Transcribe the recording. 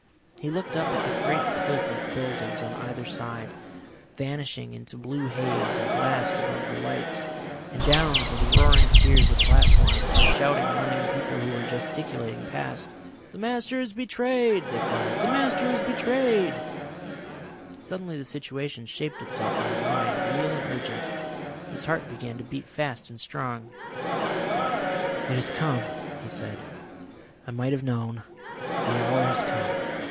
He looked up at the great cliff of buildings on either side, vanishing into blue haze at last above the lights, and down to the roaring tiers of platforms, and the shouting, running people who were gesticulating past. "The Master is betrayed!" they cried. "The Master is betrayed!" Suddenly the situation shaped itself in his mind real and urgent. His heart began to beat fast and strong. "It has come," he said. "I might have known. The hour has come."